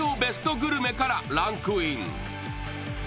グルメからランクイン